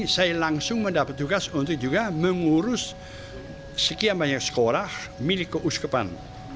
saya langsung mendapat tugas untuk juga mengurus sekian banyak sekolah milik keuskepan